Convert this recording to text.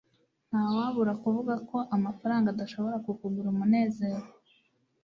ntawabura kuvuga ko amafaranga adashobora kukugura umunezero